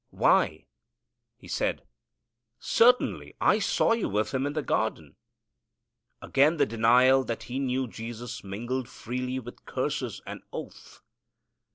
"Why," he said, "certainly I saw you with Him in the garden." Again the denial that he knew Jesus mingled freely with curses and oath.